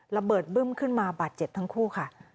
ระเบิดบ้ึ่มขึ้นมาบาท๗ทั้งคู่ค่ะ